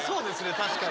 確かに。